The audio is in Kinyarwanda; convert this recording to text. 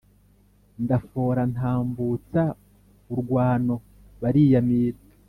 Ndafora ntambutsa urwano bariyamira,